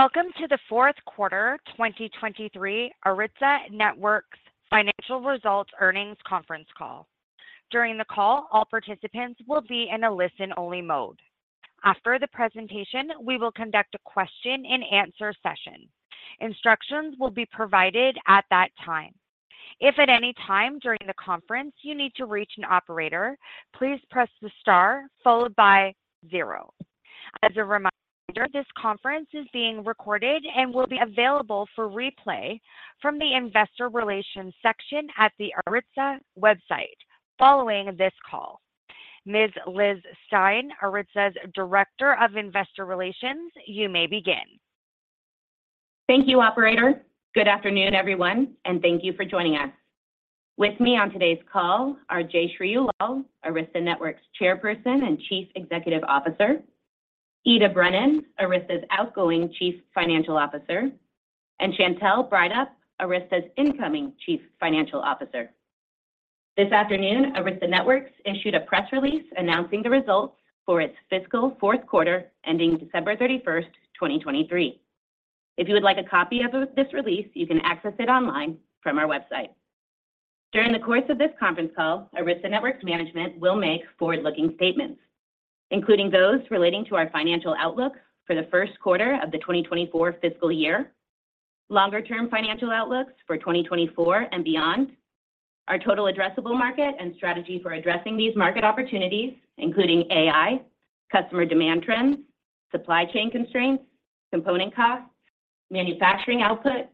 Welcome to the fourth quarter 2023 Arista Networks Financial Results Earnings Conference Call. During the call, all participants will be in a listen-only mode. After the presentation, we will conduct a question-and-answer session. Instructions will be provided at that time. If at any time during the conference you need to reach an operator, please press the star followed by 0. As a reminder, this conference is being recorded and will be available for replay from the Investor Relations section at the Arista website following this call. Ms. Liz Stine, Arista's Director of Investor Relations, you may begin. Thank you, operator. Good afternoon, everyone, and thank you for joining us. With me on today's call are Jayshree Ullal, Arista Networks Chairperson and Chief Executive Officer, Ita Brennan, Arista's Outgoing Chief Financial Officer, and Chantelle Breithaupt, Arista's Incoming Chief Financial Officer. This afternoon, Arista Networks issued a press release announcing the results for its fiscal fourth quarter ending December 31st, 2023. If you would like a copy of this release, you can access it online from our website. During the course of this conference call, Arista Networks management will make forward-looking statements, including those relating to our financial outlook for the first quarter of the 2024 fiscal year, longer-term financial outlooks for 2024 and beyond, our total addressable market and strategy for addressing these market opportunities, including AI, customer demand trends, supply chain constraints, component costs, manufacturing output,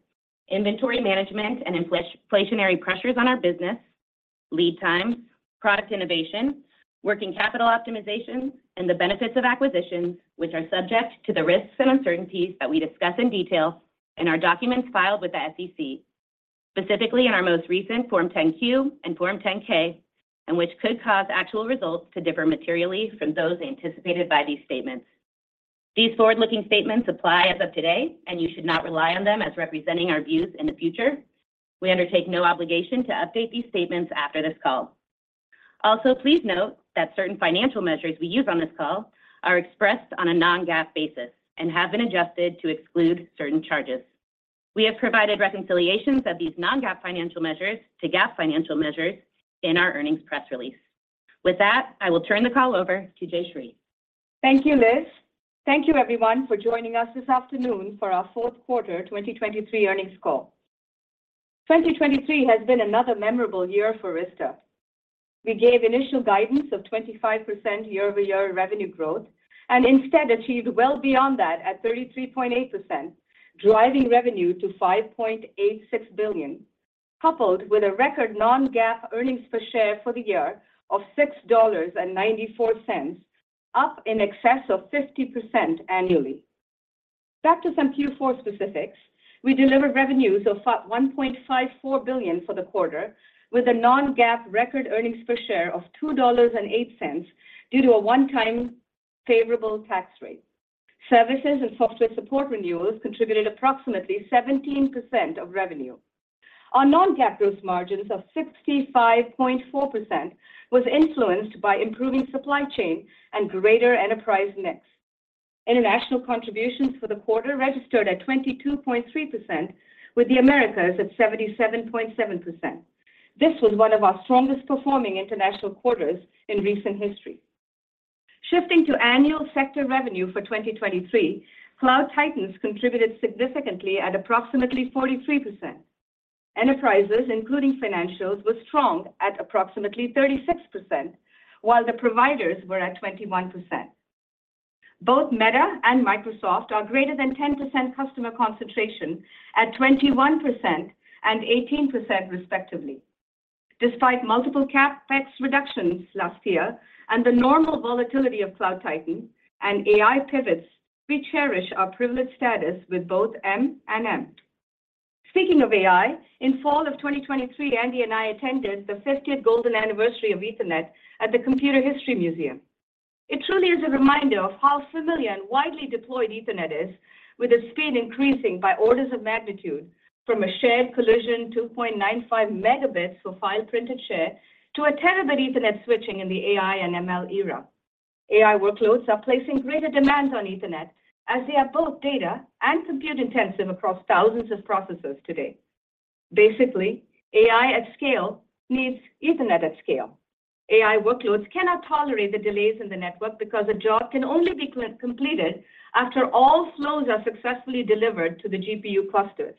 inventory management and inflationary pressures on our business, lead times, product innovation, working capital optimization, and the benefits of acquisitions, which are subject to the risks and uncertainties that we discuss in detail in our documents filed with the SEC. Specifically in our most recent Form 10-Q and Form 10-K, and which could cause actual results to differ materially from those anticipated by these statements. These forward-looking statements apply as of today, and you should not rely on them as representing our views in the future. We undertake no obligation to update these statements after this call. Also, please note that certain financial measures we use on this call are expressed on a non-GAAP basis and have been adjusted to exclude certain charges. We have provided reconciliations of these non-GAAP financial measures to GAAP financial measures in our earnings press release. With that, I will turn the call over to Jayshree. Thank you, Liz. Thank you, everyone, for joining us this afternoon for our fourth quarter 2023 earnings call. 2023 has been another memorable year for Arista. We gave initial guidance of 25% year-over-year revenue growth and instead achieved well beyond that at 33.8%, driving revenue to $5.86 billion, coupled with a record non-GAAP earnings per share for the year of $6.94, up in excess of 50% annually. Back to some Q4 specifics, we delivered revenues of $1.54 billion for the quarter, with a non-GAAP record earnings per share of $2.08 due to a one-time favorable tax rate. Services and software support renewals contributed approximately 17% of revenue. Our non-GAAP gross margins of 65.4% were influenced by improving supply chain and greater enterprise mix. International contributions for the quarter registered at 22.3%, with the Americas at 77.7%. This was one of our strongest-performing international quarters in recent history. Shifting to annual sector revenue for 2023, cloud titans contributed significantly at approximately 43%. Enterprises, including financials, were strong at approximately 36%, while the providers were at 21%. Both Meta and Microsoft are greater than 10% customer concentration at 21% and 18%, respectively. Despite multiple CapEx reductions last year and the normal volatility of cloud titan and AI pivots, we cherish our privileged status with both M and M. Speaking of AI, in fall of 2023, Andy and I attended the 50th Golden Anniversary of Ethernet at the Computer History Museum. It truly is a reminder of how familiar and widely deployed Ethernet is, with its speed increasing by orders of magnitude from a shared collision 2.95 Mbps for file print and share to a terabit Ethernet switching in the AI and ML era. AI workloads are placing greater demands on Ethernet as they are both data and compute-intensive across thousands of processes today. Basically, AI at scale needs Ethernet at scale. AI workloads cannot tolerate the delays in the network because a job can only be completed after all flows are successfully delivered to the GPU clusters.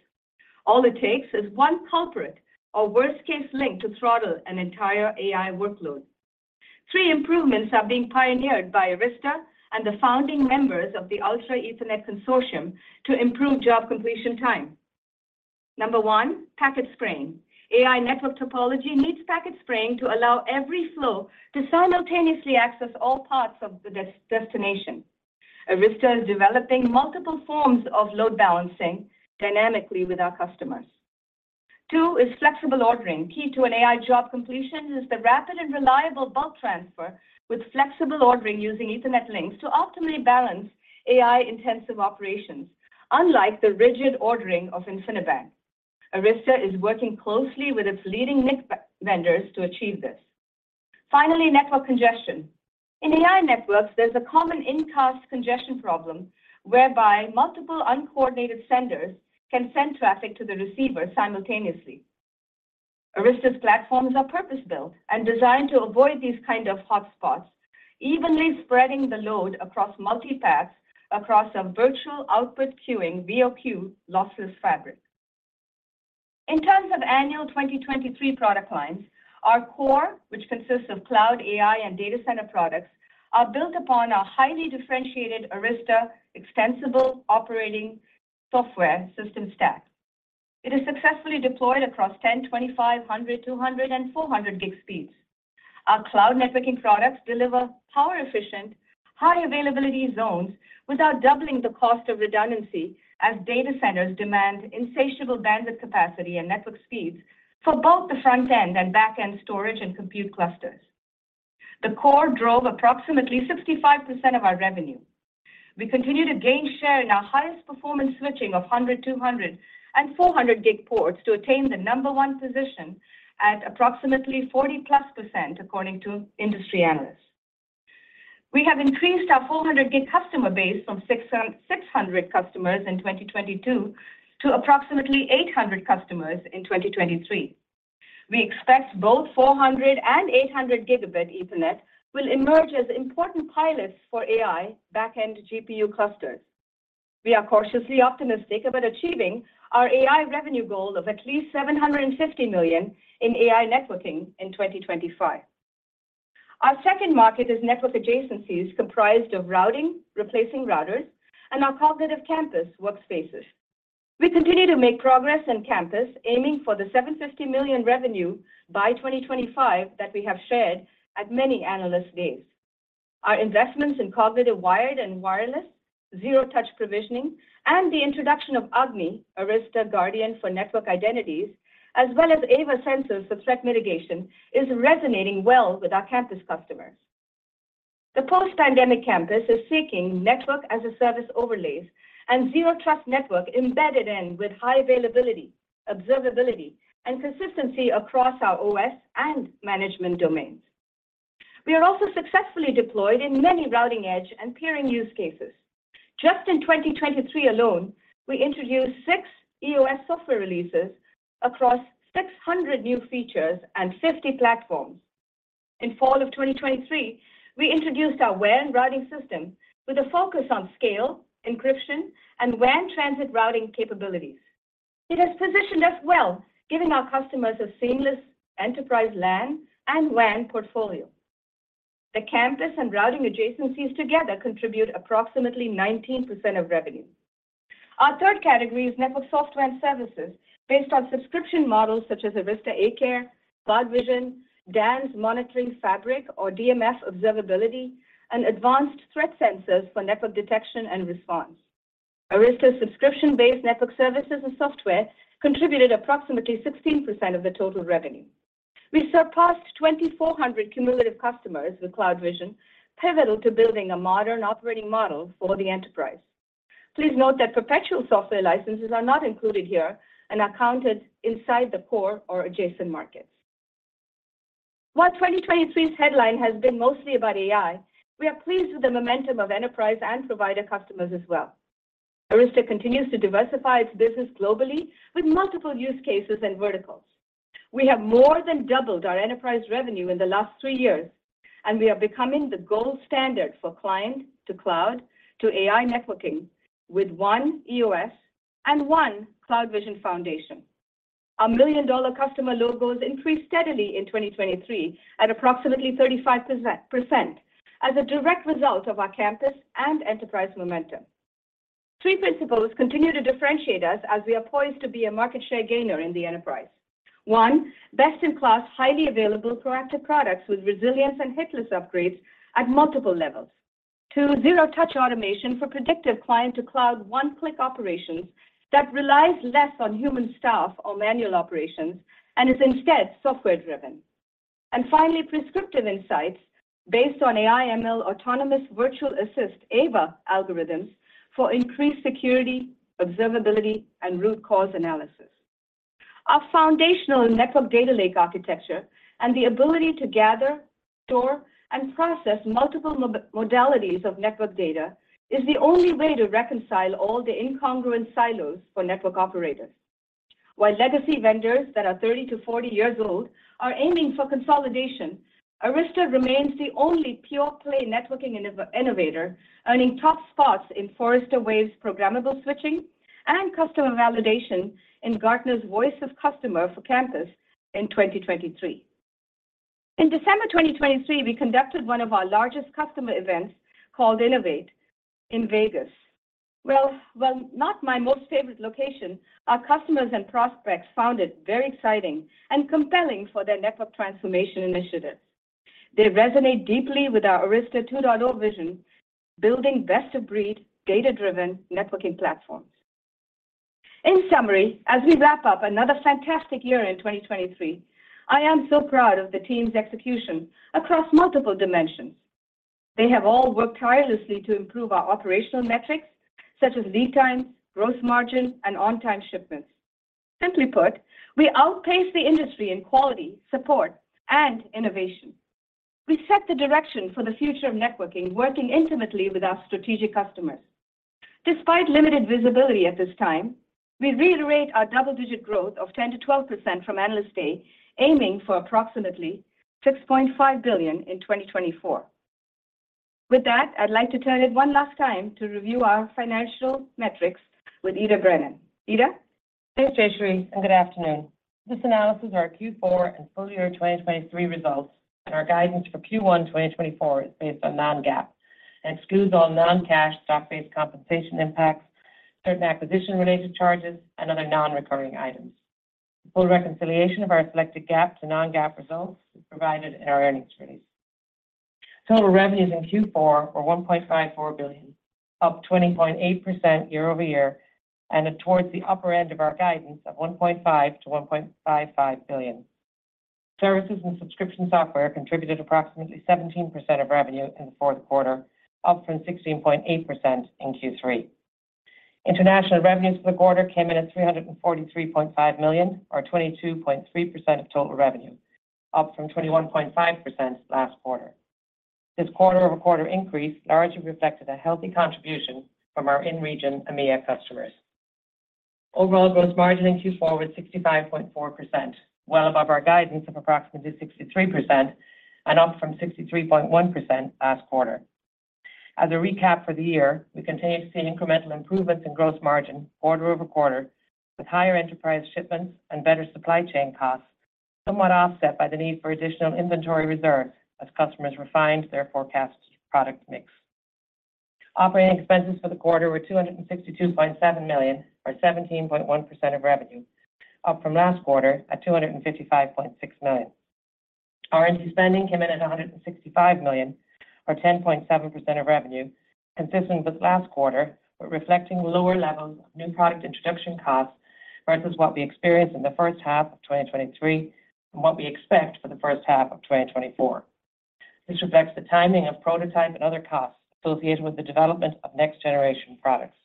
All it takes is one culprit or worst-case link to throttle an entire AI workload. Three improvements are being pioneered by Arista and the founding members of the Ultra Ethernet Consortium to improve job completion time. Number one, packet spraying. AI network topology needs packet spraying to allow every flow to simultaneously access all parts of the destination. Arista is developing multiple forms of load balancing dynamically with our customers. Two is flexible ordering. Key to an AI job completion is the rapid and reliable bulk transfer with flexible ordering using Ethernet links to optimally balance AI-intensive operations, unlike the rigid ordering of InfiniBand. Arista is working closely with its leading NIC vendors to achieve this. Finally, network congestion. In AI networks, there's a common in-cast congestion problem whereby multiple uncoordinated senders can send traffic to the receiver simultaneously. Arista's platforms are purpose-built and designed to avoid these kinds of hotspots, evenly spreading the load across multi-paths across a virtual output queuing (VOQ) lossless fabric. In terms of annual 2023 product lines, our core, which consists of cloud, AI, and data center products, are built upon our highly differentiated Arista Extensible Operating System stack. It is successfully deployed across 10, 25, 100, 200, and 400 gig speeds. Our cloud networking products deliver power-efficient, high-availability zones without doubling the cost of redundancy as data centers demand insatiable bandwidth capacity and network speeds for both the front-end and back-end storage and compute clusters. The core drove approximately 65% of our revenue. We continue to gain share in our highest-performance switching of 100, 200, and 400 gig ports to attain the number one position at approximately 40%+, according to industry analysts. We have increased our 400 gig customer base from 600 customers in 2022 to approximately 800 customers in 2023. We expect both 400 and 800 gigabit Ethernet will emerge as important pilots for AI back-end GPU clusters. We are cautiously optimistic about achieving our AI revenue goal of at least $750 million in AI networking in 2025. Our second market is network adjacencies comprised of routing, replacing routers, and our cognitive campus workspaces. We continue to make progress in campus, aiming for the $750 million revenue by 2025 that we have shared at many analysts' days. Our investments in cognitive wired and wireless, zero-touch provisioning, and the introduction of AGNI, Arista Guardian for Network Identities, as well as AVA sensors for threat mitigation, are resonating well with our campus customers. The post-pandemic campus is seeking network-as-a-service overlays and zero-trust network embedded in with high availability, observability, and consistency across our OS and management domains. We are also successfully deployed in many routing edge and peering use cases. Just in 2023 alone, we introduced six EOS software releases across 600 new features and 50 platforms. In fall of 2023, we introduced our WAN routing system with a focus on scale, encryption, and WAN transit routing capabilities. It has positioned us well, giving our customers a seamless enterprise LAN and WAN portfolio. The campus and routing adjacencies together contribute approximately 19% of revenue. Our third category is network software and services based on subscription models such as Arista A-Care, CloudVision, DANZ Monitoring Fabric or DMF observability, and advanced threat sensors for network detection and response. Arista's subscription-based network services and software contributed approximately 16% of the total revenue. We surpassed 2,400 cumulative customers with CloudVision, pivotal to building a modern operating model for the enterprise. Please note that perpetual software licenses are not included here and are counted inside the core or adjacent markets. While 2023's headline has been mostly about AI, we are pleased with the momentum of enterprise and provider customers as well. Arista continues to diversify its business globally with multiple use cases and verticals. We have more than doubled our enterprise revenue in the last three years, and we are becoming the gold standard for client-to-cloud-to-AI networking with one EOS and one CloudVision Foundation. Our million-dollar customer logos increased steadily in 2023 at approximately 35% as a direct result of our campus and enterprise momentum. Three principles continue to differentiate us as we are poised to be a market share gainer in the enterprise: one, best-in-class highly available proactive products with resilience and hitless upgrades at multiple levels; two, zero-touch automation for predictive client-to-cloud one-click operations that relies less on human staff or manual operations and is instead software-driven; and finally, prescriptive insights based on AI/ML autonomous virtual assist (AVA) algorithms for increased security, observability, and root cause analysis. Our foundational network data lake architecture and the ability to gather, store, and process multiple modalities of network data is the only way to reconcile all the incongruent silos for network operators. While legacy vendors that are 30-40 years old are aiming for consolidation, Arista remains the only pure-play networking innovator earning top spots in Forrester Wave's programmable switching and customer validation in Gartner's Voice of Customer for campus in 2023. In December 2023, we conducted one of our largest customer events called INNOVATE in Las Vegas. While not my most favorite location, our customers and prospects found it very exciting and compelling for their network transformation initiatives. They resonate deeply with our Arista 2.0 vision of building best-of-breed data-driven networking platforms. In summary, as we wrap up another fantastic year in 2023, I am so proud of the team's execution across multiple dimensions. They have all worked tirelessly to improve our operational metrics such as lead times, gross margin, and on-time shipments. Simply put, we outpace the industry in quality, support, and innovation. We set the direction for the future of networking working intimately with our strategic customers. Despite limited visibility at this time, we reiterate our double-digit growth of 10%-12% from analyst day, aiming for approximately $6.5 billion in 2024. With that, I'd like to turn it one last time to review our financial metrics with Ita Brennan. Ita? Thanks, Jayshree. Good afternoon. This analysis of our Q4 and full year 2023 results and our guidance for Q1 2024 is based on non-GAAP and excludes all non-cash stock-based compensation impacts, certain acquisition-related charges, and other non-recurring items. The full reconciliation of our selected GAAP to non-GAAP results is provided in our earnings release. Total revenues in Q4 were $1.54 billion, up 20.8% year-over-year and towards the upper end of our guidance of $1.5-$1.55 billion. Services and subscription software contributed approximately 17% of revenue in the fourth quarter, up from 16.8% in Q3. International revenues for the quarter came in at $343.5 million, or 22.3% of total revenue, up from 21.5% last quarter. This quarter-over-quarter increase largely reflected a healthy contribution from our in-region EMEA customers. Overall gross margin in Q4 was 65.4%, well above our guidance of approximately 63% and up from 63.1% last quarter. As a recap for the year, we continue to see incremental improvements in gross margin quarter over quarter with higher enterprise shipments and better supply chain costs, somewhat offset by the need for additional inventory reserves as customers refined their forecast product mix. Operating expenses for the quarter were $262.7 million, or 17.1% of revenue, up from last quarter at $255.6 million. R&D spending came in at $165 million, or 10.7% of revenue, consistent with last quarter but reflecting lower levels of new product introduction costs versus what we experienced in the first half of 2023 and what we expect for the first half of 2024. This reflects the timing of prototype and other costs associated with the development of next-generation products.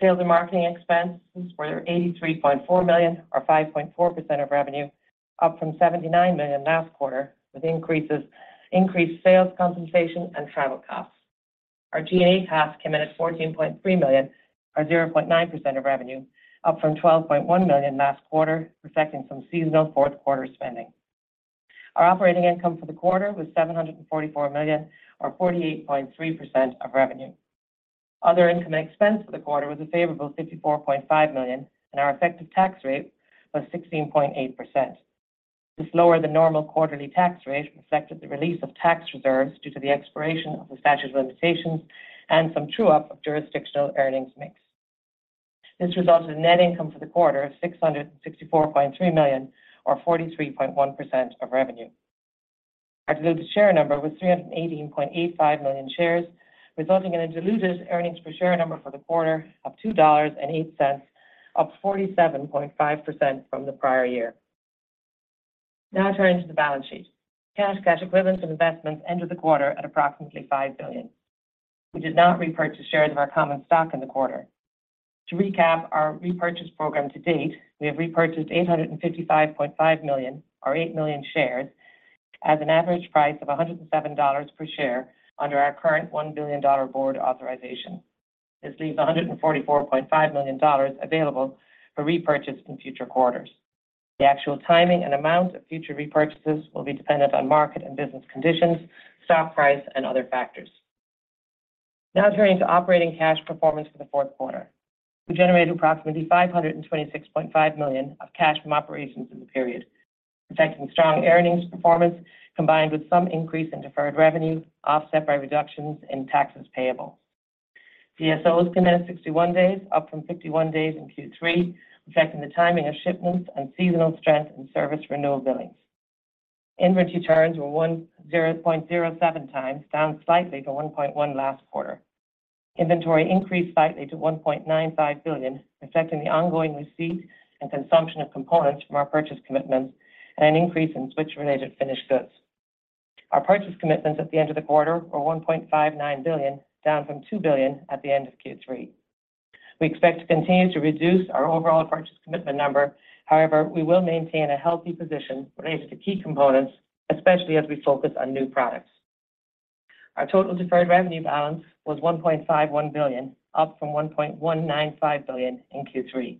Sales and marketing expenses were $83.4 million, or 5.4% of revenue, up from $79 million last quarter with increased sales compensation and travel costs. Our G&A costs came in at $14.3 million, or 0.9% of revenue, up from $12.1 million last quarter, reflecting some seasonal fourth-quarter spending. Our operating income for the quarter was $744 million, or 48.3% of revenue. Other income and expense for the quarter was a favorable $54.5 million, and our effective tax rate was 16.8%. This lowered the normal quarterly tax rate, reflected the release of tax reserves due to the expiration of the statute of limitations and some true-up of jurisdictional earnings mix. This resulted in net income for the quarter of $664.3 million, or 43.1% of revenue. Our diluted share number was 318.85 million shares, resulting in a diluted earnings per share number for the quarter of $2.08, up 47.5% from the prior year. Now turning to the balance sheet. Cash, cash equivalents, and investments ended the quarter at approximately $5 billion. We did not repurchase shares of our common stock in the quarter. To recap our repurchase program to date, we have repurchased $855.5 million, or 8 million shares, at an average price of $107 per share under our current $1 billion board authorization. This leaves $144.5 million available for repurchase in future quarters. The actual timing and amount of future repurchases will be dependent on market and business conditions, stock price, and other factors. Now turning to operating cash performance for the fourth quarter. We generated approximately $526.5 million of cash from operations in the period, reflecting strong earnings performance combined with some increase in deferred revenue offset by reductions in taxes payable. DSOs came in at 61 days, up from 51 days in Q3, reflecting the timing of shipments and seasonal strength in service renewal billings. Inventory turns were 1.07 times, down slightly from 1.1 last quarter. Inventory increased slightly to $1.95 billion, reflecting the ongoing receipt and consumption of components from our purchase commitments and an increase in switch-related finished goods. Our purchase commitments at the end of the quarter were $1.59 billion, down from $2 billion at the end of Q3. We expect to continue to reduce our overall purchase commitment number. However, we will maintain a healthy position related to key components, especially as we focus on new products. Our total deferred revenue balance was $1.51 billion, up from $1.195 billion in Q3.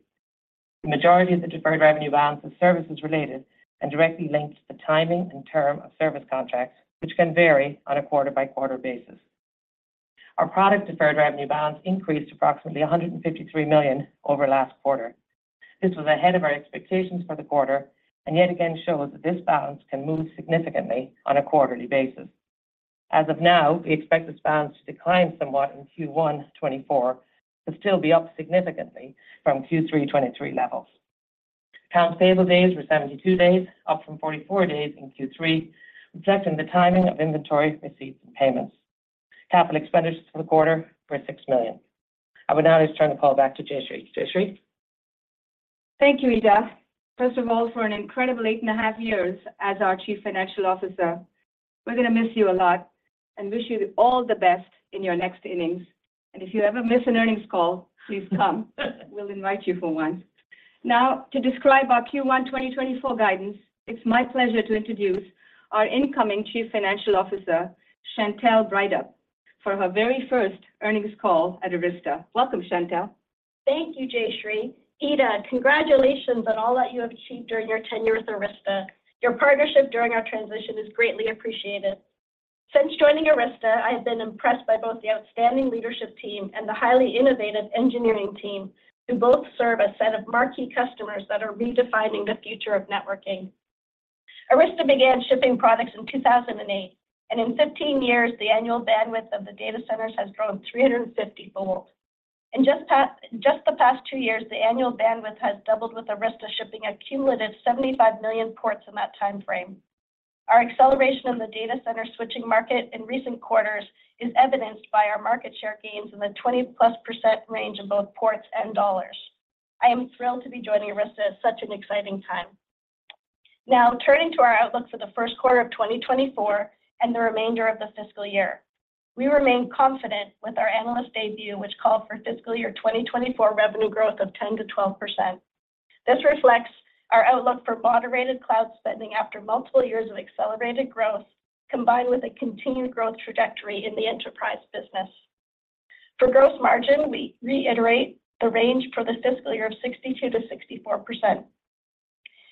The majority of the deferred revenue balance is services-related and directly linked to the timing and term of service contracts, which can vary on a quarter-by-quarter basis. Our product deferred revenue balance increased to approximately $153 million over last quarter. This was ahead of our expectations for the quarter and yet again shows that this balance can move significantly on a quarterly basis. As of now, we expect this balance to decline somewhat in Q1 2024 but still be up significantly from Q3 2023 levels. Accounts payable days were 72 days, up from 44 days in Q3, reflecting the timing of inventory receipts and payments. Capital expenditures for the quarter were $6 million. I would now just turn the call back to Jayshree. Jayshree? Thank you, Ita. First of all, for an incredible eight and a half years as our Chief Financial Officer. We're going to miss you a lot and wish you all the best in your next innings. If you ever miss an earnings call, please come. We'll invite you for one. Now, to describe our Q1 2024 guidance, it's my pleasure to introduce our incoming Chief Financial Officer, Chantelle Breithaupt, for her very first earnings call at Arista. Welcome, Chantelle. Thank you, Jayshree. Ita, congratulations on all that you have achieved during your tenure at Arista. Your partnership during our transition is greatly appreciated. Since joining Arista, I have been impressed by both the outstanding leadership team and the highly innovative engineering team who both serve a set of marquee customers that are redefining the future of networking. Arista began shipping products in 2008, and in 15 years, the annual bandwidth of the data centers has grown 350-fold. In just the past 2 years, the annual bandwidth has doubled with Arista shipping a cumulative 75 million ports in that time frame. Our acceleration in the data center switching market in recent quarters is evidenced by our market share gains in the 20%+ range in both ports and dollars. I am thrilled to be joining Arista at such an exciting time. Now, turning to our outlook for the first quarter of 2024 and the remainder of the fiscal year. We remain confident with our Analyst Day, which called for fiscal year 2024 revenue growth of 10%-12%. This reflects our outlook for moderated cloud spending after multiple years of accelerated growth combined with a continued growth trajectory in the enterprise business. For gross margin, we reiterate the range for the fiscal year of 62%-64%,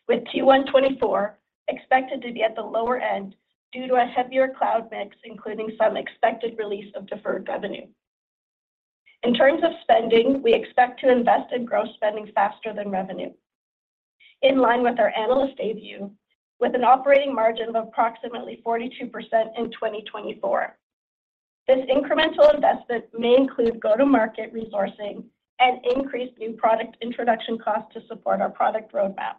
with Q1 2024 expected to be at the lower end due to a heavier cloud mix, including some expected release of deferred revenue. In terms of spending, we expect to invest in gross spending faster than revenue, in line with our Analyst Day, with an operating margin of approximately 42% in 2024. This incremental investment may include go-to-market resourcing and increased new product introduction costs to support our product roadmap.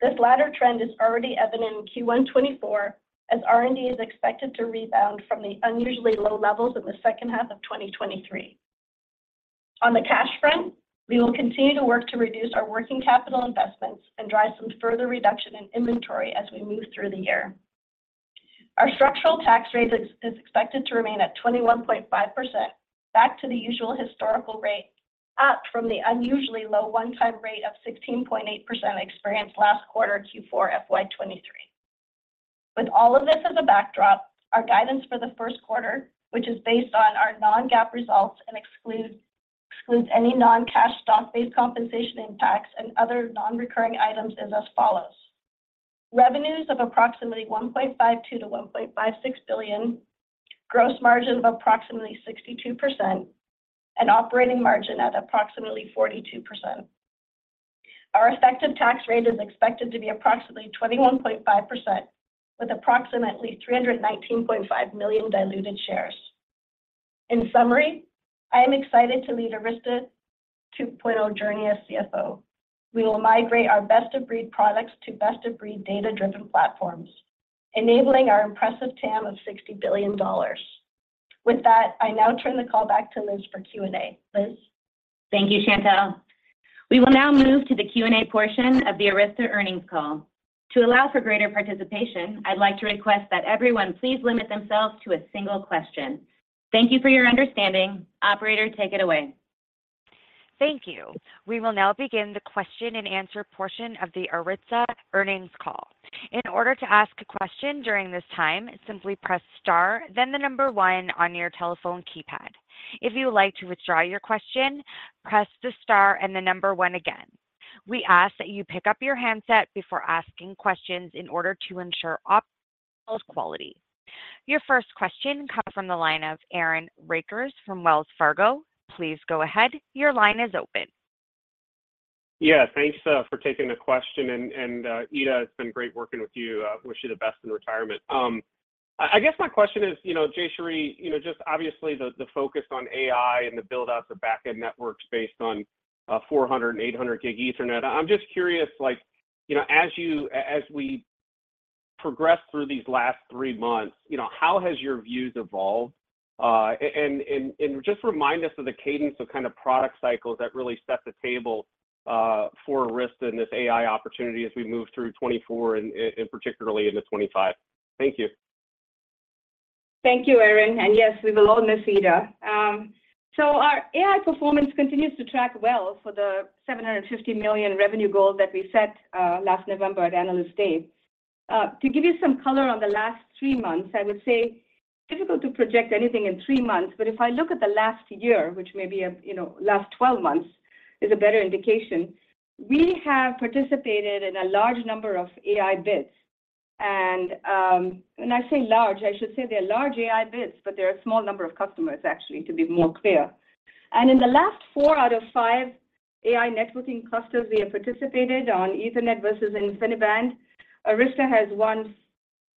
This latter trend is already evident in Q1 2024, as R&D is expected to rebound from the unusually low levels in the second half of 2023. On the cash front, we will continue to work to reduce our working capital investments and drive some further reduction in inventory as we move through the year. Our structural tax rate is expected to remain at 21.5%, back to the usual historical rate, up from the unusually low one-time rate of 16.8% experienced last quarter Q4 FY23. With all of this as a backdrop, our guidance for the first quarter, which is based on our non-GAAP results and excludes any non-cash stock-based compensation impacts and other non-recurring items, is as follows: revenues of approximately $1.52-$1.56 billion, gross margin of approximately 62%, and operating margin at approximately 42%. Our effective tax rate is expected to be approximately 21.5%, with approximately 319.5 million diluted shares. In summary, I am excited to lead Arista 2.0 journey as CFO. We will migrate our best-of-breed products to best-of-breed data-driven platforms, enabling our impressive TAM of $60 billion. With that, I now turn the call back to Liz for Q&A. Liz? Thank you, Chantelle. We will now move to the Q&A portion of the Arista earnings call. To allow for greater participation, I'd like to request that everyone please limit themselves to a single question. Thank you for your understanding. Operator, take it away. Thank you. We will now begin the question-and-answer portion of the Arista earnings call. In order to ask a question during this time, simply press star, then the number one on your telephone keypad. If you would like to withdraw your question, press the star and the number one again. We ask that you pick up your handset before asking questions in order to ensure optimal quality. Your first question comes from the line of Aaron Rakers from Wells Fargo. Please go ahead. Your line is open. Yeah. Thanks for taking the question. And, Ita, it's been great working with you. Wish you the best in retirement. I guess my question is, Jayshree, just obviously the focus on AI and the buildouts of backend networks based on 400 and 800-gig Ethernet. I'm just curious, as we progress through these last three months, how has your views evolved? And just remind us of the cadence of kind of product cycles that really set the table for Arista and this AI opportunity as we move through 2024 and particularly into 2025. Thank you. Thank you, Aaron. Yes, we will all miss Ita. Our AI performance continues to track well for the $750 million revenue goal that we set last November at analyst day. To give you some color on the last three months, I would say difficult to project anything in three months, but if I look at the last year, which may be last 12 months is a better indication, we have participated in a large number of AI bids. When I say large, I should say they are large AI bids, but they are a small number of customers, actually, to be more clear. And in the last four out of five AI networking clusters we have participated on, Ethernet versus InfiniBand, Arista has won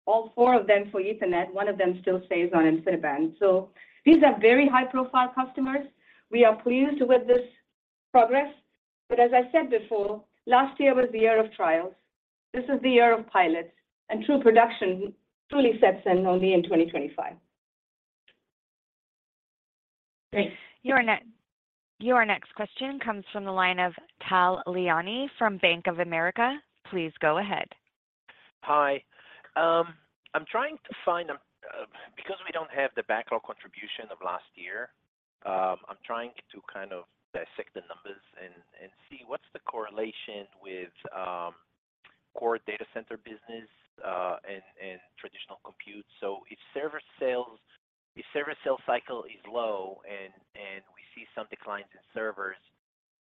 all four of them for Ethernet. One of them still stays on InfiniBand. These are very high-profile customers. We are pleased with this progress. But as I said before, last year was the year of trials. This is the year of pilots. And true production truly sets in only in 2025. Great. Your next question comes from the line of Tal Liani from Bank of America. Please go ahead. Hi. I'm trying to find, because we don't have the backlog contribution of last year, I'm trying to kind of dissect the numbers and see what's the correlation with core data center business and traditional compute. So if server sales cycle is low and we see some declines in servers,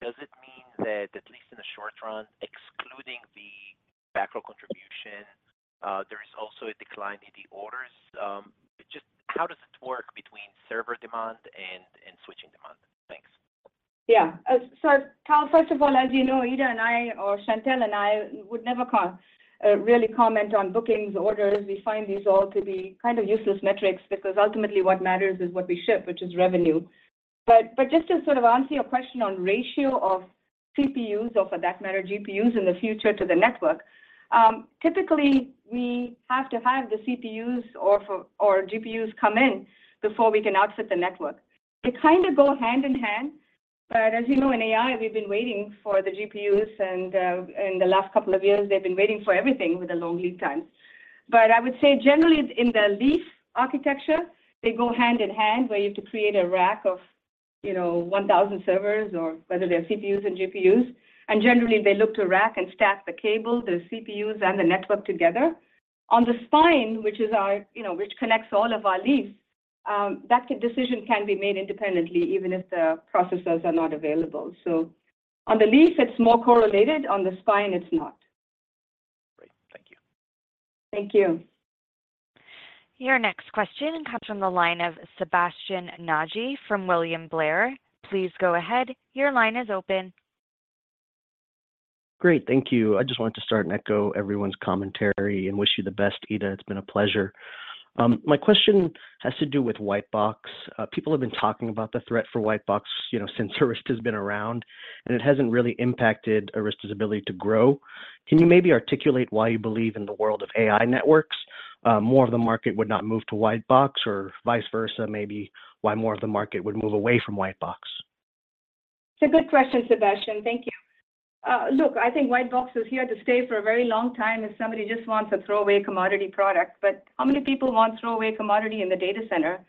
does it mean that, at least in the short run, excluding the backlog contribution, there is also a decline in the orders? Just how does it work between server demand and switching demand? Thanks. Yeah. So Tal, first of all, as you know, Ita and I, or Chantelle and I, would never really comment on bookings, orders. We find these all to be kind of useless metrics because ultimately what matters is what we ship, which is revenue. But just to sort of answer your question on ratio of CPUs, or for that matter, GPUs in the future to the network, typically, we have to have the CPUs or GPUs come in before we can outfit the network. They kind of go hand in hand. But as you know, in AI, we've been waiting for the GPUs. And in the last couple of years, they've been waiting for everything with the long lead times. But I would say generally, in the leaf architecture, they go hand in hand where you have to create a rack of 1,000 servers or whether they're CPUs and GPUs. Generally, they look to rack and stack the cable, the CPUs, and the network together. On the spine, which connects all of our leaves, that decision can be made independently even if the processors are not available. On the leaf, it's more correlated. On the spine, it's not. Great. Thank you. Thank you. Your next question comes from the line of Sebastien Naji from William Blair. Please go ahead. Your line is open. Great. Thank you. I just wanted to start and echo everyone's commentary and wish you the best, Ita. It's been a pleasure. My question has to do with Whitebox. People have been talking about the threat for Whitebox since Arista has been around, and it hasn't really impacted Arista's ability to grow. Can you maybe articulate why you believe in the world of AI networks more of the market would not move to Whitebox, or vice versa, maybe why more of the market would move away from Whitebox? It's a good question, Sebastian. Thank you. Look, I think whitebox is here to stay for a very long time if somebody just wants a throwaway commodity product. But how many people want throwaway commodity in the data center?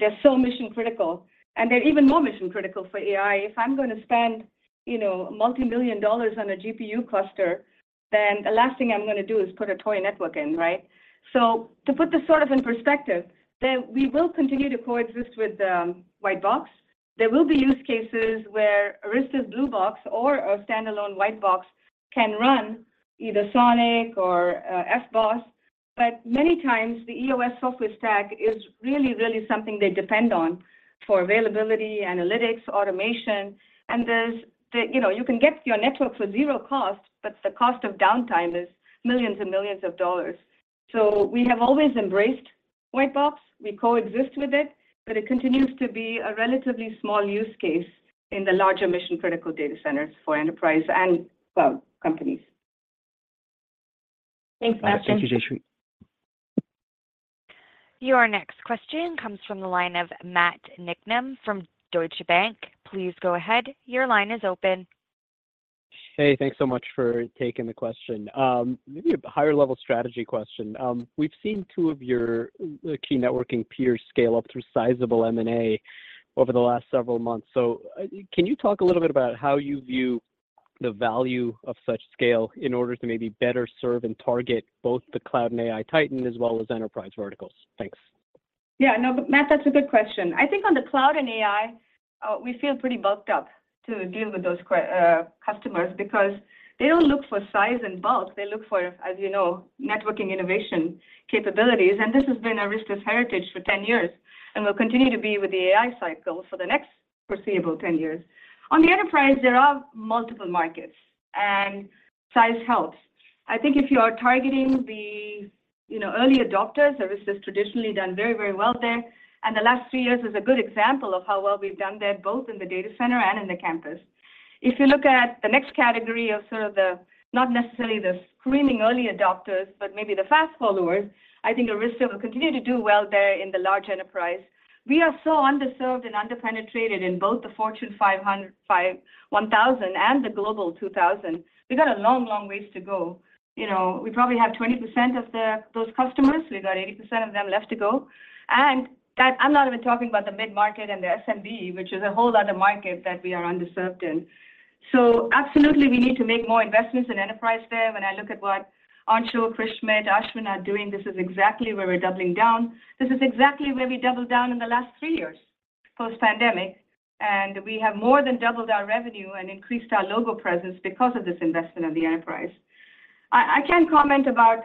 They're so mission-critical. And they're even more mission-critical for AI. If I'm going to spend $multi-million on a GPU cluster, then the last thing I'm going to do is put a toy network in, right? So to put this sort of in perspective, we will continue to coexist with whitebox. There will be use cases where Arista's blue box or a standalone whitebox can run either SONiC or FBOSS. But many times, the EOS software stack is really, really something they depend on for availability, analytics, automation. And you can get your network for zero cost, but the cost of downtime is $millions and millions. We have always embraced whitebox. We coexist with it, but it continues to be a relatively small use case in the larger mission-critical data centers for enterprise and cloud companies. Thanks, Sebastian. Thank you, Jayshree. Your next question comes from the line of Matt Niknam from Deutsche Bank. Please go ahead. Your line is open. Hey, thanks so much for taking the question. Maybe a higher-level strategy question. We've seen two of your key networking peers scale up through sizable M&A over the last several months. So can you talk a little bit about how you view the value of such scale in order to maybe better serve and target both the Cloud and AI Titan as well as enterprise verticals? Thanks. Matt, that's a good question. I think on the Cloud and AI, we feel pretty bulked up to deal with those customers because they don't look for size and bulk. They look for, as you know, networking innovation capabilities. And this has been Arista's heritage for 10 years and will continue to be with the AI cycle for the next foreseeable 10 years. On the enterprise, there are multiple markets, and size helps. If you are targeting the early adopters, Arista's traditionally done very, very well there. And the last three years is a good example of how well we've done there, both in the data center and in the campus. If you look at the next category of sort of the not necessarily the screaming early adopters, but maybe the fast followers, I think Arista will continue to do well there in the large enterprise. We are so underserved and underpenetrated in both the Fortune 500, 1,000, and the Global 2,000. We've got a long, long ways to go. We probably have 20% of those customers. We've got 80% of them left to go. And I'm not even talking about the mid-market and the SMB, which is a whole other market that we are underserved in. So absolutely, we need to make more investments in enterprise there. When I look at what Anshul, Chris Schmidt, Ashwin are doing, this is exactly where we're doubling down. This is exactly where we doubled down in the last three years post-pandemic. And we have more than doubled our revenue and increased our logo presence because of this investment in the enterprise. I can't comment about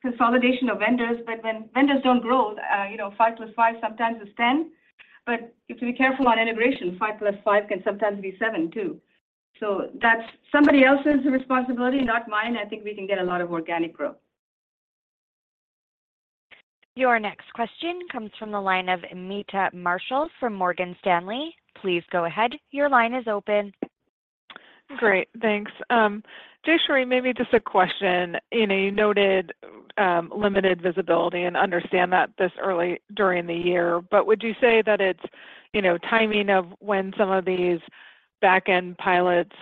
consolidation of vendors, but when vendors don't grow, 5 plus 5 sometimes is 10. But you have to be careful on integration. 5 + 5 can sometimes be 7, too. So that's somebody else's responsibility, not mine. I think we can get a lot of organic growth. Your next question comes from the line of Meta Marshall from Morgan Stanley. Please go ahead. Your line is open. Great. Thanks. Jayshree, maybe just a question. You noted limited visibility and understand that this early during the year. But would you say that it's timing of when some of these backend pilots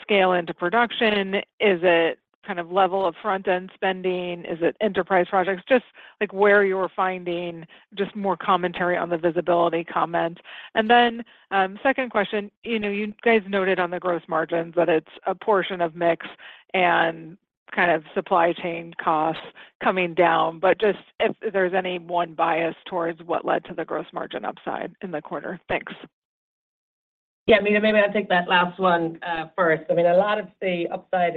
scale into production? Is it kind of level of front-end spending? Is it enterprise projects? Just where you're finding just more commentary on the visibility comment. And then second question, you guys noted on the gross margins that it's a portion of mix and kind of supply chain costs coming down. But just if there's any one bias towards what led to the gross margin upside in the quarter. Thanks. Maybe I'll take that last one first. I mean, a lot of the upside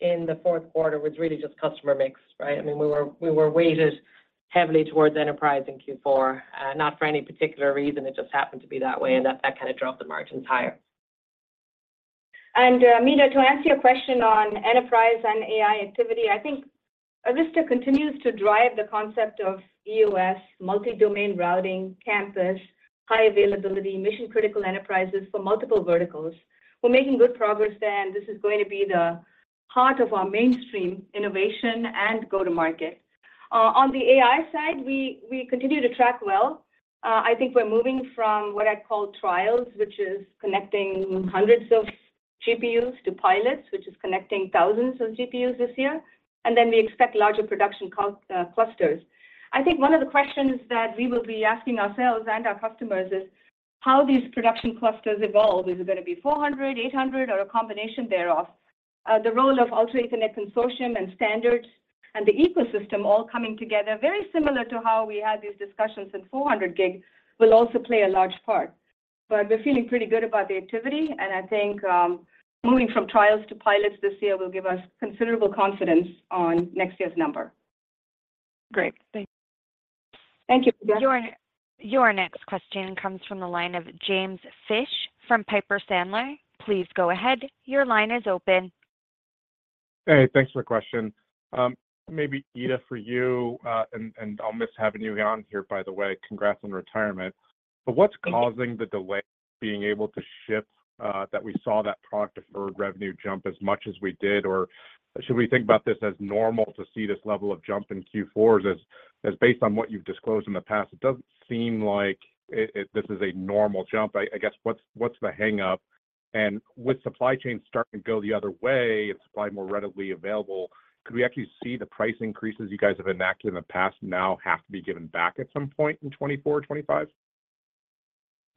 in the fourth quarter was really just customer mix, right? I mean, we were weighted heavily towards enterprise in Q4, not for any particular reason. It just happened to be that way, and that kind of drove the margins higher. Meta, to answer your question on enterprise and AI activity, I think Arista continues to drive the concept of EOS, multi-domain routing, campus, high availability, mission-critical enterprises for multiple verticals. We're making good progress there, and this is going to be the heart of our mainstream innovation and go-to-market. On the AI side, we continue to track well. We're moving from what I call trials, which is connecting hundreds of GPUs to pilots, which is connecting thousands of GPUs this year. And then we expect larger production clusters. I think one of the questions that we will be asking ourselves and our customers is how these production clusters evolve. Is it going to be 400, 800, or a combination thereof? The role of Ultra Ethernet Consortium and standards and the ecosystem all coming together, very similar to how we had these discussions in 400-gig, will also play a large part. But we're feeling pretty good about the activity. I think moving from trials to pilots this year will give us considerable confidence on next year's number. Great. Thank you. Thank you, Meta. Your next question comes from the line of James Fish from Piper Sandler. Please go ahead. Your line is open. Hey. Thanks for the question. Maybe, Ita, for you, and I'll miss having you on here, by the way. Congrats on retirement. But what's causing the delay being able to ship that we saw that product-deferred revenue jump as much as we did? Or should we think about this as normal to see this level of jump in Q4s? As based on what you've disclosed in the past, it doesn't seem like this is a normal jump. I guess what's the hangup? And with supply chain starting to go the other way and supply more readily available, could we actually see the price increases you guys have enacted in the past now have to be given back at some point in 2024, 2025?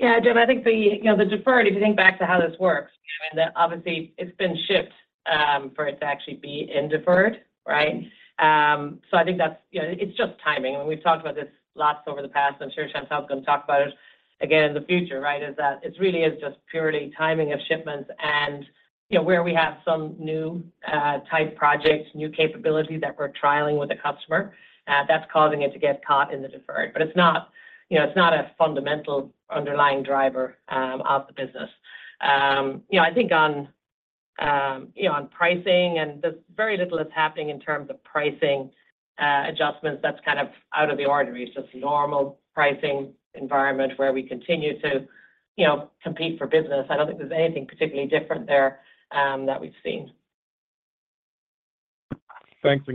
Yeah, James. I think the deferred, if you think back to how this works, I mean, obviously, it's been shipped for it to actually be in deferred, right? So I think that it's just timing. I mean, we've talked about this lots over the past. I'm sure Chantelle's going to talk about it again in the future, right, is that it really is just purely timing of shipments and where we have some new-type projects, new capability that we're trialing with a customer, that's causing it to get caught in the deferred. It's not a fundamental underlying driver of the business. I think on pricing, and there's very little that's happening in terms of pricing adjustments. That's kind of out of the ordinary. It's just normal pricing environment where we continue to compete for business. I don't think there's anything particularly different there that we've seen. Thanks.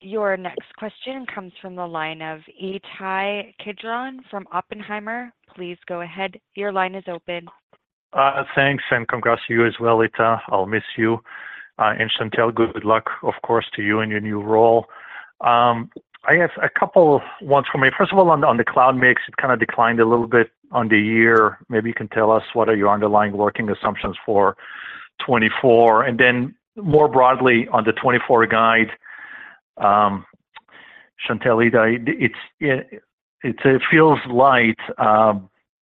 Your next question comes from the line of Ittai Kidron from Oppenheimer. Please go ahead. Your line is open. Thanks, and congrats to you as well, Ita. I'll miss you. And Chantelle, good luck, of course, to you in your new role. I have a couple ones for me. First of all, on the Cloud mix, it kind of declined a little bit on the year. Maybe you can tell us what are your underlying working assumptions for 2024? And then more broadly, on the 2024 guide, Chantelle, Ita, it feels light.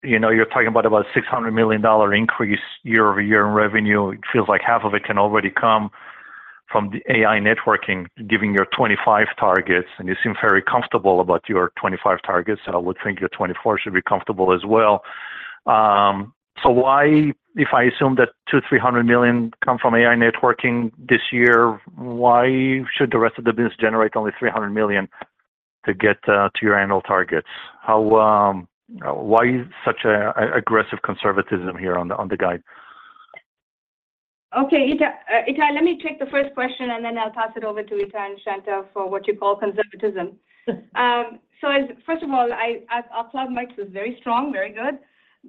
You're talking about about a $600 million increase year-over-year in revenue. It feels like half of it can already come from the AI networking, given your 2025 targets. And you seem very comfortable about your 2025 targets. So I would think your 2024 should be comfortable as well. If I assume that $2,300 million come from AI networking this year, why should the rest of the business generate only $300 million to get to your annual targets? Why such aggressive conservatism here on the guide? Okay, Ita, let me take the first question, and then I'll pass it over to Ita and Chantelle for what you call conservatism. So first of all, our Cloud mix is very strong, very good.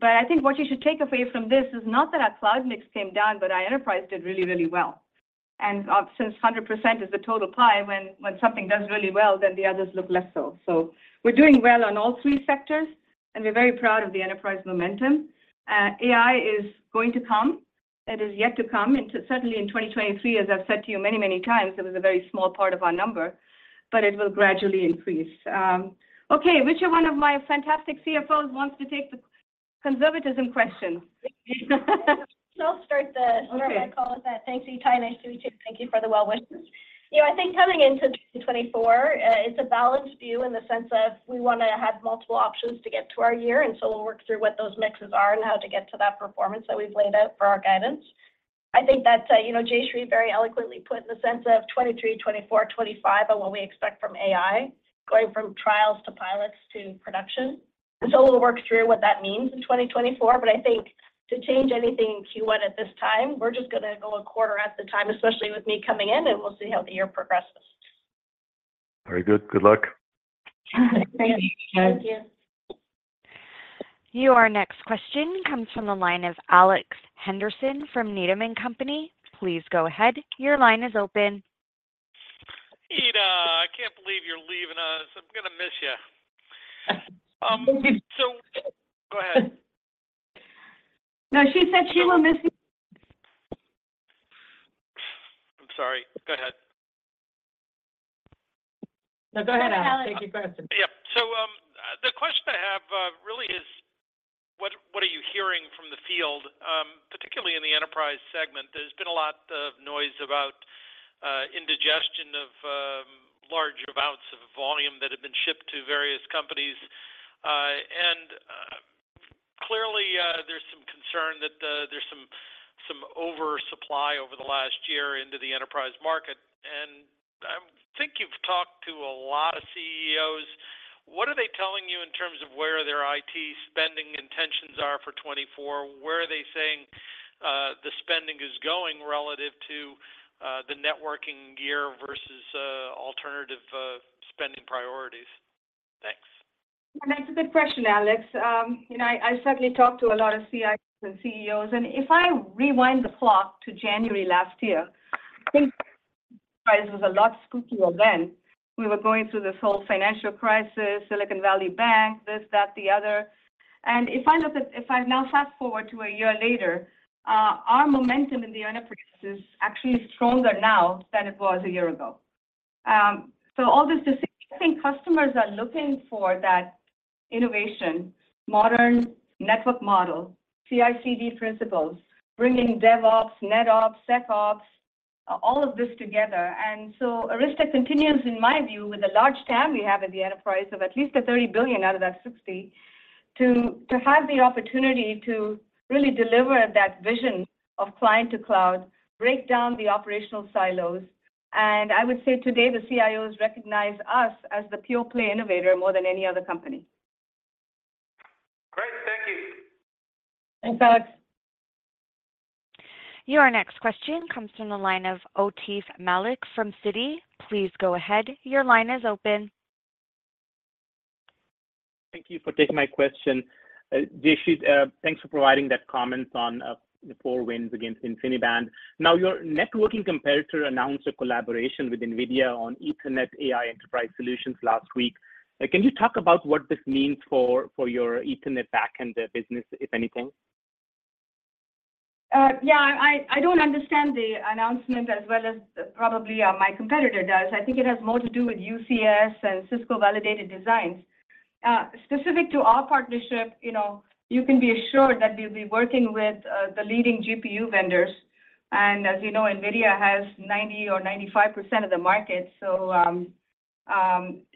But I think what you should take away from this is not that our Cloud mix came down, but our Enterprise did really, really well. And since 100% is the total pie, when something does really well, then the others look less so. We're doing well on all three sectors, and we're very proud of the Enterprise momentum. AI is going to come. It is yet to come. Certainly, in 2023, as I've said to you many, many times, it was a very small part of our number, but it will gradually increase. Okay, which one of my fantastic CFOs wants to take the conservatism question? I'll start the call with that. Thanks, Ittai. Nice to meet you. Thank you for the well-wishes. I think coming into 2024, it's a balanced view in the sense of we want to have multiple options to get to our year. And so we'll work through what those mixes are and how to get to that performance that we've laid out for our guidance. I think that Jayshree very eloquently put in the sense of 2023, 2024, 2025 on what we expect from AI, going from trials to pilots to production. And so we'll work through what that means in 2024. But I think to change anything in Q1 at this time, we're just going to go a quarter at the time, especially with me coming in, and we'll see how the year progresses. Very good. Good luck. Thank you. Thank you. Your next question comes from the line of Alex Henderson from Needham & Company. Please go ahead. Your line is open. Ita, I can't believe you're leaving us. I'm going to miss you. So go ahead. No, she said she will miss you. I'm sorry. Go ahead. No, go ahead, Alex. Ask your question. Yeah. So the question I have really is, what are you hearing from the field, particularly in the enterprise segment? There's been a lot of noise about indigestion of large amounts of volume that have been shipped to various companies. And clearly, there's some concern that there's some oversupply over the last year into the enterprise market. And I think you've talked to a lot of CEOs. What are they telling you in terms of where their IT spending intentions are for 2024? Where are they saying the spending is going relative to the networking year versus alternative spending priorities? Thanks. That's a good question, Alex. I certainly talked to a lot of CIOs and CEOs. And if I rewind the clock to January last year, I think the enterprise was a lot spookier then. We were going through this whole financial crisis, Silicon Valley Bank, this, that, the other. And if I look at if I now fast-forward to a year later, our momentum in the enterprise is actually stronger now than it was a year ago. All this decision, I think customers are looking for that innovation, modern network model, CI/CD principles, bringing DevOps, NetOps, SecOps, all of this together. And so Arista continues, in my view, with the large TAM we have in the enterprise of at least the $30 billion out of that $60 billion to have the opportunity to really deliver that vision of client-to-cloud, break down the operational silos. I would say today, the CIOs recognize us as the pure-play innovator more than any other company. Great. Thank you. Thanks, Alex. Your next question comes from the line of Atif Malik from Citi. Please go ahead. Your line is open. Thank you for taking my question. Jayshree, thanks for providing that comment on the four wins against InfiniBand. Now, your networking competitor announced a collaboration with NVIDIA on Ethernet AI enterprise solutions last week. Can you talk about what this means for your Ethernet backend business, if anything? Yeah. I don't understand the announcement as well as probably my competitor does. I think it has more to do with UCS and Cisco-validated designs. Specific to our partnership, you can be assured that we'll be working with the leading GPU vendors. And as you know, NVIDIA has 90% or 95% of the market. So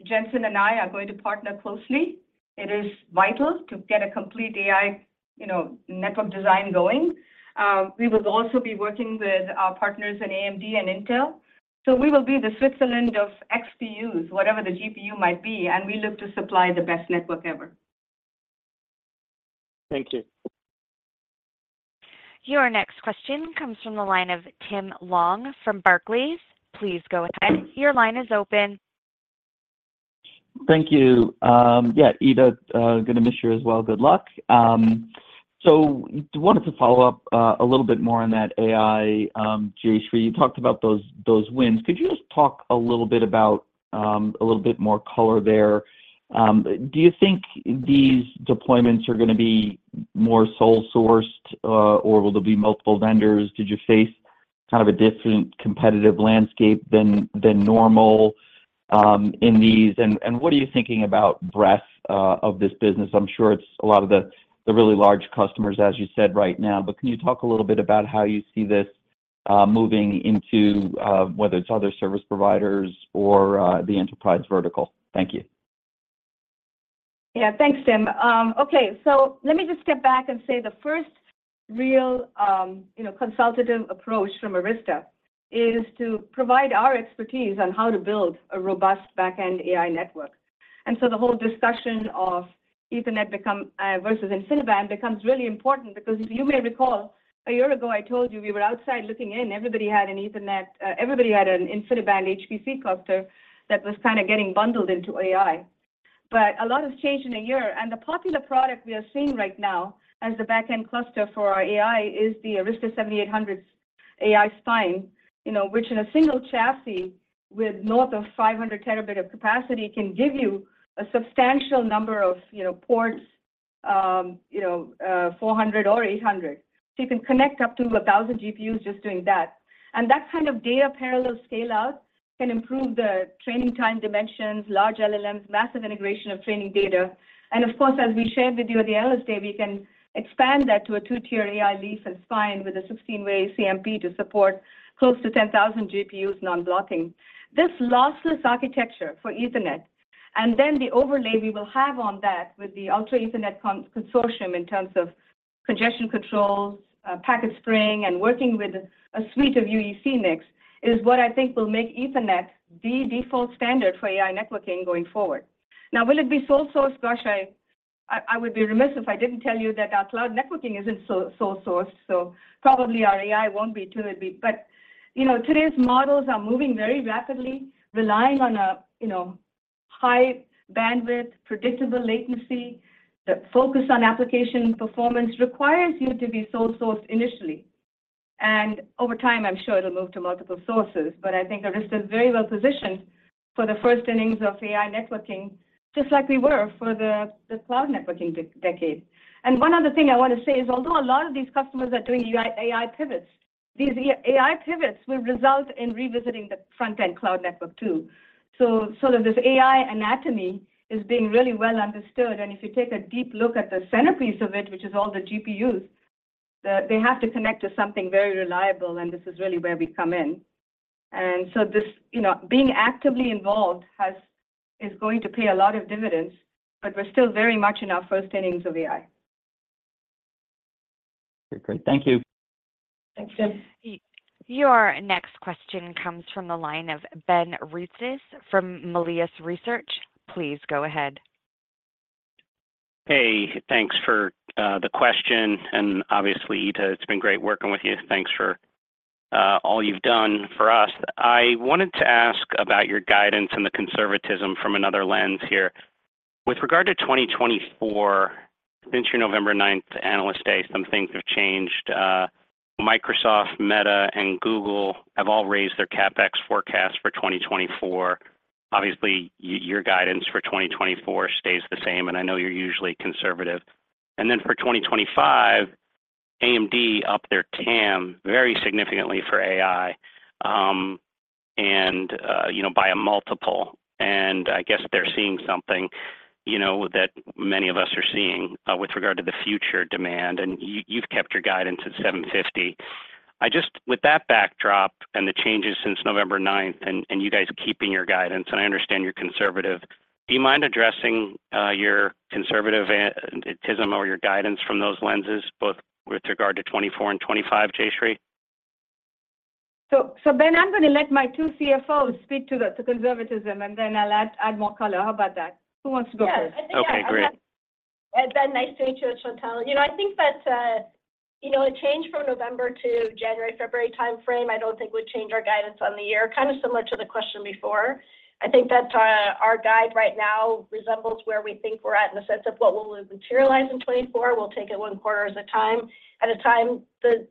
Jensen and I are going to partner closely. It is vital to get a complete AI network design going. We will also be working with our partners in AMD and Intel. So we will be the Switzerland of XPUs, whatever the GPU might be. And we look to supply the best network ever. Thank you. Your next question comes from the line of Tim Long from Barclays. Please go ahead. Your line is open. Thank you. Yeah, Ita, going to miss you as well. Good luck. So I wanted to follow up a little bit more on that AI. Jayshree, you talked about those wins. Could you just talk a little bit about a little bit more color there? Do you think these deployments are going to be more sole-sourced, or will there be multiple vendors? Did you face kind of a different competitive landscape than normal in these? And what are you thinking about breadth of this business? I'm sure it's a lot of the really large customers, as you said, right now. But can you talk a little bit about how you see this moving into whether it's other service providers or the enterprise vertical? Thank you. Yeah. Thanks, Tim. Okay. So let me just step back and say the first real consultative approach from Arista is to provide our expertise on how to build a robust backend AI network. And so the whole discussion of Ethernet versus InfiniBand becomes really important because you may recall, a year ago, I told you we were outside looking in. Everybody had an Ethernet, everybody had an InfiniBand HPC cluster that was kind of getting bundled into AI. But a lot has changed in a year. And the popular product we are seeing right now as the backend cluster for our AI is the Arista 7800's AI spine, which in a single chassis with north of 500 terabits of capacity can give you a substantial number of ports, 400 or 800. So you can connect up to 1,000 GPUs just doing that. That kind of data parallel scale-out can improve the training time dimensions, large LLMs, massive integration of training data. Of course, as we shared with you at the analyst day, we can expand that to a two-tier AI leaf and spine with a 16-way ECMP to support close to 10,000 GPUs non-blocking. This lossless architecture for Ethernet and then the overlay we will have on that with the Ultra Ethernet Consortium in terms of congestion controls, packet spraying, and working with a suite of UEC NICs is what I think will make Ethernet the default standard for AI networking going forward. Now, will it be sole-sourced? Gosh, I would be remiss if I didn't tell you that our cloud networking isn't sole-sourced. So probably our AI won't be too. But today's models are moving very rapidly, relying on a high bandwidth, predictable latency. The focus on application performance requires you to be sole-sourced initially. And over time, I'm sure it'll move to multiple sources. But I think Arista is very well positioned for the first innings of AI networking, just like we were for the cloud networking decade. And one other thing I want to say is, although a lot of these customers are doing AI pivots, these AI pivots will result in revisiting the front-end cloud network too. This AI anatomy is being really well understood. And if you take a deep look at the centerpiece of it, which is all the GPUs, they have to connect to something very reliable. And this is really where we come in. And so being actively involved is going to pay a lot of dividends, but we're still very much in our first innings of AI. Very good. Thank you. Thanks, Tim. Your next question comes from the line of Ben Reitzes from Melius Research. Please go ahead. Hey. Thanks for the question. Obviously, Ita, it's been great working with you. Thanks for all you've done for us. I wanted to ask about your guidance and the conservatism from another lens here. With regard to 2024, since your November 9th analyst day, some things have changed. Microsoft, Meta, and Google have all raised their CapEx forecast for 2024. Obviously, your guidance for 2024 stays the same. I know you're usually conservative. Then for 2025, AMD upped their TAM very significantly for AI and by a multiple. I guess they're seeing something that many of us are seeing with regard to the future demand. You've kept your guidance at $750. With that backdrop and the changes since November 9th and you guys keeping your guidance, and I understand you're conservative, do you mind addressing your conservatism or your guidance from those lenses, both with regard to 2024 and 2025, Jayshree? So Ben, I'm going to let my two CFOs speak to the conservatism, and then I'll add more color. How about that? Who wants to go first? Yeah. I agree. Okay. Great. Ben, nice to meet you, Chantelle. I think that a change from November to January, February timeframe I don't think would change our guidance on the year, kind of similar to the question before. I think that our guide right now resembles where we think we're at in the sense of what will materialize in 2024. We'll take it one quarter at a time. At a time, the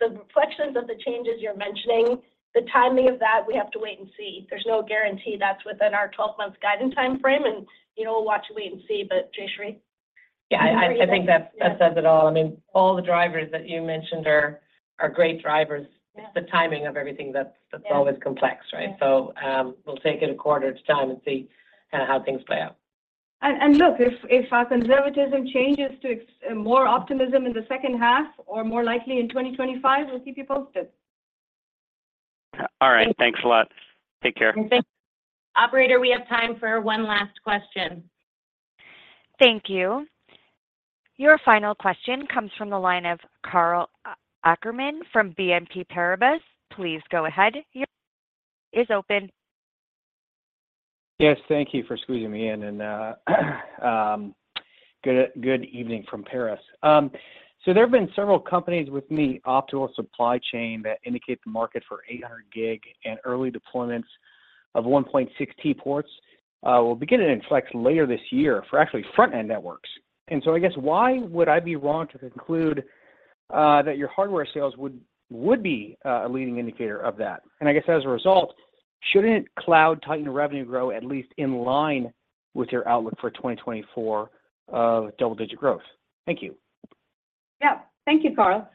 reflections of the changes you're mentioning, the timing of that, we have to wait and see. There's no guarantee that's within our 12-month guidance timeframe. And we'll watch and wait and see. But Jayshree? Yeah. I think that says it all. I mean, all the drivers that you mentioned are great drivers. It's the timing of everything that's always complex, right? So we'll take it a quarter at a time and see kind of how things play out. Look, if our conservatism changes to more optimism in the second half or more likely in 2025, we'll keep you posted. All right. Thanks a lot. Take care. Thanks. Operator, we have time for one last question. Thank you. Your final question comes from the line of Karl Ackerman from BNP Paribas. Please go ahead. Your line is open. Yes. Thank you for squeezing me in. Good evening from Paris. So there have been several companies within the optical supply chain, that indicate the market for 800 gig and early deployments of 1.6T ports will begin to inflect later this year for actually front-end networks. And so I guess why would I be wrong to conclude that your hardware sales would be a leading indicator of that? And I guess as a result, shouldn't cloud titan revenue grow at least in line with your outlook for 2024 of double-digit growth? Thank you. Yeah. Thank you, Karl.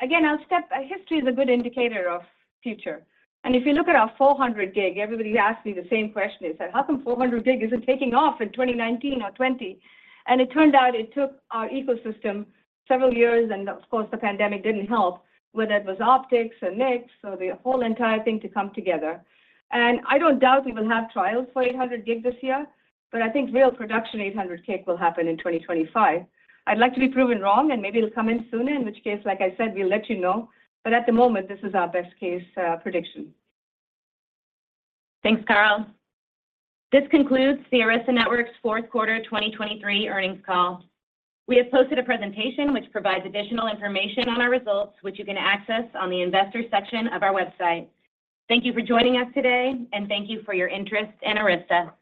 Again, as they say, history is a good indicator of the future. And if you look at our 400 gig, everybody asks me the same question. They said, "How come 400 gig isn't taking off in 2019 or 2020?" And it turned out it took our ecosystem several years. And of course, the pandemic didn't help, whether it was optics or NICs or the whole entire thing to come together. And I don't doubt we will have trials for 800 gig this year. But I think real production 800 gig will happen in 2025. I'd like to be proven wrong. And maybe it'll come in sooner, in which case, like I said, we'll let you know. But at the moment, this is our best-case prediction. Thanks, Karl. This concludes the Arista Networks fourth quarter 2023 earnings call. We have posted a presentation which provides additional information on our results, which you can access on the investor section of our website. Thank you for joining us today. Thank you for your interest in Arista.